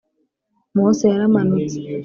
Mose yaramanutse